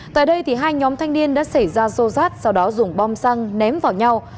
tại đây hai nhóm thanh niên đã xảy ra rô rát sau đó dùng bom xăng ném vào nhau